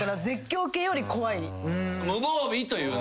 無防備というね。